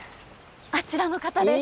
あちらの方です。